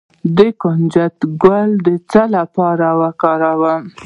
د کنجد ګل د څه لپاره وکاروم؟